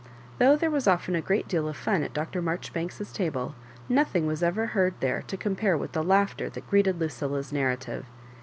Though there was often a great deal of fun at Dr. MaijoribanKs'Q table, nothing was ever heard there to compare with the laughter that greeted Lucilla's narrative.